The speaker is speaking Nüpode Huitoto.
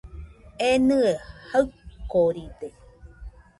Enɨe jaɨkoride